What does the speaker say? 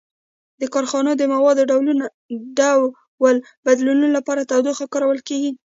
په کارخانو کې د موادو ډول بدلولو لپاره تودوخه کارول کیږي.